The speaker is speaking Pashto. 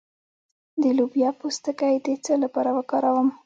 د لوبیا پوستکی د څه لپاره وکاروم؟